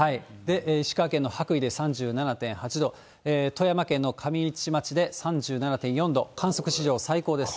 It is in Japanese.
石川県の羽咋で３７．８度、富山県の上市町で３７．４度、観測史上最高です。